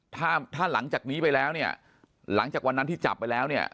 ถ้าถ้าหลังจากนี้ไปแล้วเนี่ยหลังจากวันนั้นที่จับไปแล้วเนี่ย